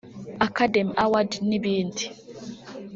Academy Award n’ibindi